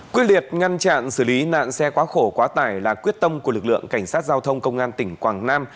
quyết liệt ngăn chặn xử lý nạn xe quá khổ quá tải là quyết tâm của lực lượng cảnh sát giao thông công an tỉnh quảng nam